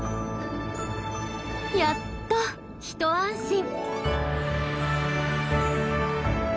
やっと一安心。